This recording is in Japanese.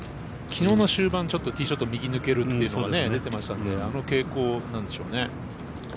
きのうの終盤、ティーショット右に抜けるというのが出てましたんであの傾向なんでしょうね。